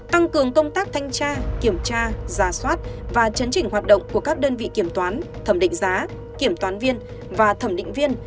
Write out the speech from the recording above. tăng cường công tác thanh tra kiểm tra giả soát và chấn chỉnh hoạt động của các đơn vị kiểm toán thẩm định giá kiểm toán viên và thẩm định viên